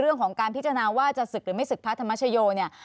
เรื่องของการพิจารณาว่าจะศึกหรือไม่ศึกพระธรรมชโยเนี่ย